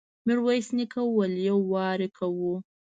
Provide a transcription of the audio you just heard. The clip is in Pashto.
ميرويس نيکه وويل: يو وار کوو.